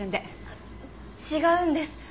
違うんです。